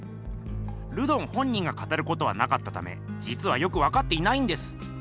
ルドン本人が語ることはなかったためじつはよくわかっていないんです。